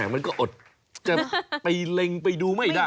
มันก็อดจะไปเล็งไปดูไม่ได้